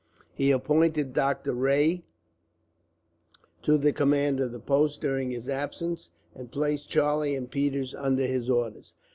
He appointed Doctor Rae to the command of the post during his absence, and placed Charlie and Peters under his orders.